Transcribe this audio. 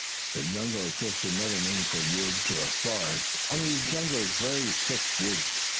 The jungle is just another name for woods, or forest, only the jungle is a very thick woods.